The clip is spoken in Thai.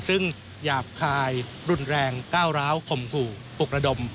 ซึ่งหยาบคายรุนแรงก้าวร้าวข่มขู่ปลุกระดม